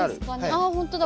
ああほんとだ。